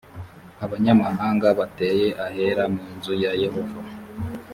abanyamahanga bateye ahera mu nzu ya yehova